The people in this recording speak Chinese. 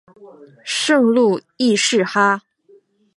圣路易士哈！